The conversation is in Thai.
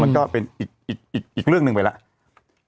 ก็เป็นอีกเรื่องหนึ่งไปแล้ว